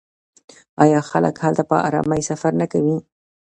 آیا خلک هلته په ارامۍ سفر نه کوي؟